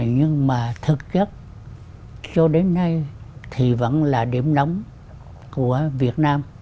nhưng mà thực chất cho đến nay thì vẫn là điểm nóng của việt nam